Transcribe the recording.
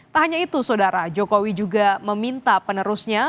tak hanya itu saudara jokowi juga meminta penerusnya